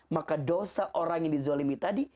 maka dosa orang yang dizolimi tadi